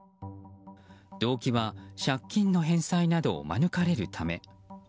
動機は借金の返済などを免れるため。